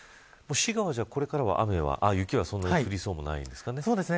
滋賀はこれからは雪は、そんなに降りそうもないですかね。